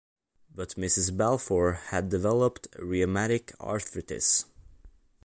But Mrs Balfour had developed rheumatic arthritis.